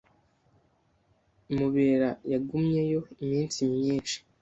Mubera yagumyeyo iminsi myinshi.